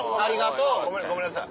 あぁ！ごめんなさい。